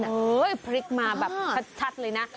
พลิกมาแบบชัดเลยนะ